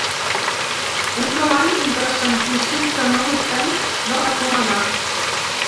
Un treball interessantíssim que no dubtem de recomanar.